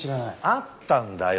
あったんだよ。